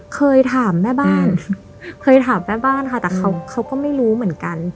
เคยถามแม่บ้านค่ะแต่เขาก็ไม่รู้เหมือนกัน